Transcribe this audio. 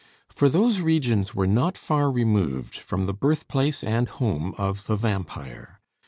For those regions were not far removed from the birthplace and home of the vampire.